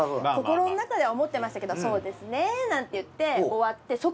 心の中では思ってましたけどそうですねぇなんて言って終わって